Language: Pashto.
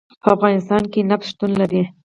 په افغانستان کې نفت شتون لري.